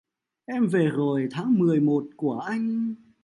Em về rồi tháng mười một của anh